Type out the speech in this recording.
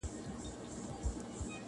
کارخانې پکښی بنا د علم و فن شي-